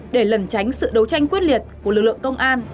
để lần tránh sự đấu tranh quyết liệt của lực lượng công an